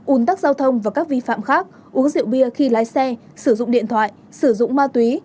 ủn tắc giao thông và các vi phạm khác uống rượu bia khi lái xe sử dụng điện thoại sử dụng ma túy